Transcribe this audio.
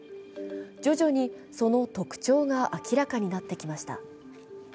徐々にその特徴が明らかになってきました。